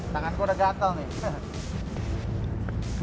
tangan gue udah gagal nih